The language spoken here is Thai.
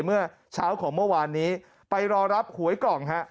เมื่อเช้าของเมื่อวานนี้ไปรอรับหวยกล่องฮะ